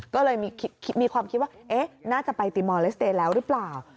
ก็เลยมีความคิดว่าน่าจะไปติมอลเลสเตย์แล้วหรือเปล่า